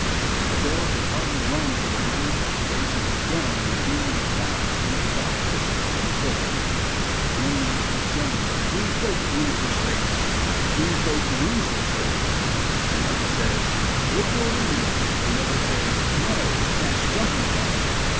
The bell has hardly rung to announce that the race has begun when men in the crowd begin to dogmatise about the result. One man keeps saying: "Green Cloak wins this race. Green Cloak wins this race." Another says: "Liberal leads." Another says: "No; that's Jumping Frog."